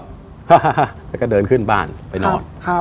แล้วก็เดินขึ้นบ้านไปนอน